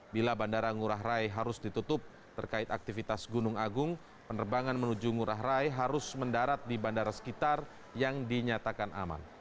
bila bandara ngurah rai harus ditutup terkait aktivitas gunung agung penerbangan menuju ngurah rai harus mendarat di bandara sekitar yang dinyatakan aman